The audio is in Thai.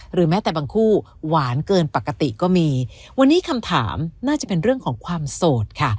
แม้แต่บางคู่หวานเกินปกติก็มีวันนี้คำถามน่าจะเป็นเรื่องของความโสดค่ะ